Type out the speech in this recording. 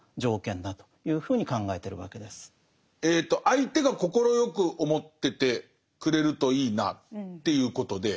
相手が快く思っててくれるといいなっていうことで。